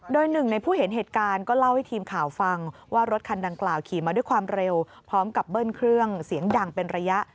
โดยหนึ่งในผู้เห็นเหตุการณ์ก็เล่าให้ทีมข่าวฟังว่ารถคันดังกล่าวขี่มาด้วยความเร็วพร้อมกับเบิ้ลเครื่องเสียงดังเป็นระยะ